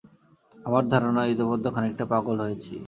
আমার ধারণা, ইতোমধ্যে খানিকটা পাগল হয়েছি।